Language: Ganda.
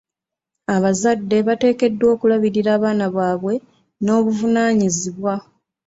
Abazadde bateekeddwa okulabirira abaana baabwe n'obuvunaanyizibwa..